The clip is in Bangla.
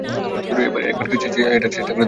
একবার কি এটার চেষ্টা করে দেখা উচিত না?